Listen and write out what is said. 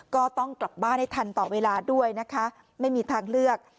ก็ต้องกลับบ้านให้ทันต่อเวลาด้วยนะคะไม่มีทางเลือก